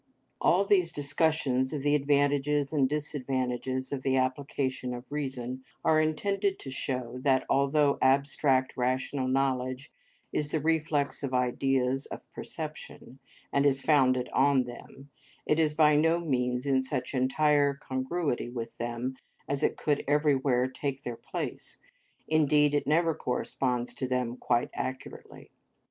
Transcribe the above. All these discussions of the advantages and disadvantages of the application of reason are intended to show, that although abstract rational knowledge is the reflex of ideas of perception, and is founded on them, it is by no means in such entire congruity with them that it could everywhere take their place: indeed it never corresponds to them quite accurately.